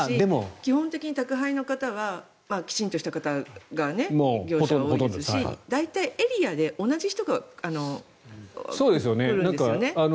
基本的に宅配の方はきちんとした方が業者が多いですし大体エリアで同じ人が来るんですよね。